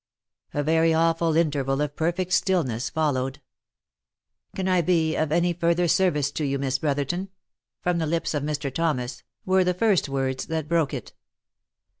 A very awful interval of perfect stillness followed. " Can I be of any further service to you, Miss Brotherton ?" from the lips of Mr. Thomas, were the first words that broke it.